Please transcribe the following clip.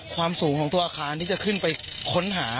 ความสูงของตัวอาคารที่จะขึ้นไปค้นหา